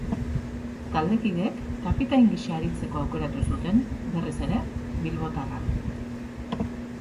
Taldekideek kapitain gisa aritzeko aukeratu zuten, berriz ere, bilbotarra.